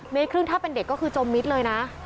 เมตรครึ่งถ้าเป็นเด็กก็คือจมมิตรเลยนะ